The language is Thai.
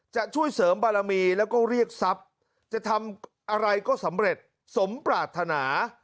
จะช่วยเสริมบารมีแล้วก็เรียกทรัพย์จะทำอะไรก็สำเร็จสมปรารถนา